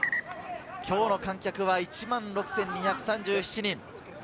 今日の観客は１万６２３７人。